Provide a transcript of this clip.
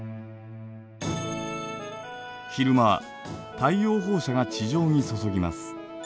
昼間太陽放射が地上に注ぎます。